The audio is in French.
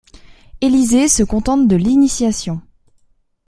Élisée se contente de l'initiation.